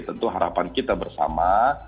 tentu harapan kita bersama